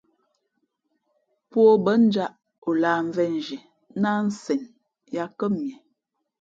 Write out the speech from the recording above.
Pō ǒ mbά njāʼ, ǒ lāh mvēnzhiē nά ā nsen yā kά mie.